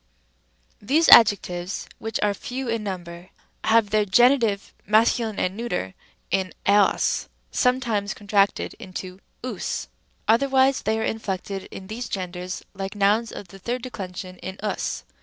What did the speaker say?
Rem. These adjectives, which are few in number, have their G. mase. and neut. in eos, sometimes contracted into ovs; otherwise they are inflected in these genders like nouns of the third declension in οὖς, G.